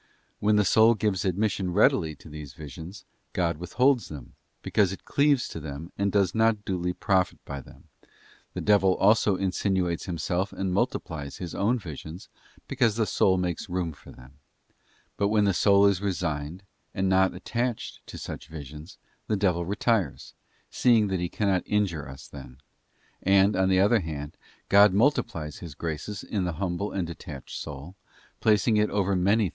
When the soul gives admission readily to these visions God withholds them, because it cleaves to them and does not duly profit by them; the devil also insinuates himself and multiplies his own visions, because the soul makes room for them. But when the soul is resigned and not attached to such visions the devil retires, seeing that he cannot injure us then; and, on the other hand, God multiplies His graces in the humble and detached soul, placing it over many * 2 Cor, xi. 14, 94 THE ASCENT OF MOUNT CARMEL.